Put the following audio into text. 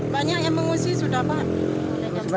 banyak yang mengungsi sudah pak